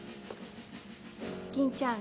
吟ちゃん